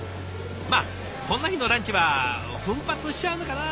まあこんな日のランチは奮発しちゃうのかな？